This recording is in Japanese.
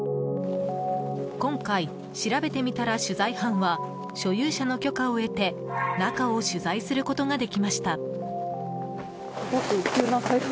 今回、しらべてみたら取材班は所有者の許可を得て中を取材することができました。